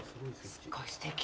すっごいすてきよ。